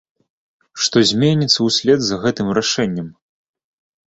Што зменіцца ўслед за гэтым рашэннем?